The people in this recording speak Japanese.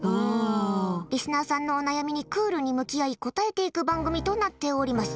リスナーさんのお悩みにクールに向き合い答えていく番組となっています。